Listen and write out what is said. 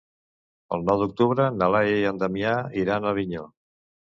El nou d'octubre na Laia i en Damià iran a Avinyó.